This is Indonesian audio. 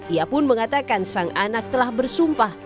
ia pun mengatakan sang anak telah bersumpah